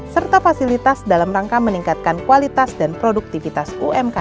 serta fasilitas dalam rangka meningkatkan kualitas dan produktivitas umkm